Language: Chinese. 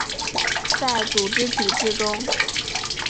在组织体制中